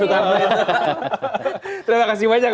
terima kasih banyak